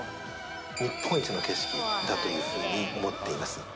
日本一の景色だというふうに思っています。